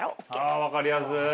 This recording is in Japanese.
ああ分かりやすい。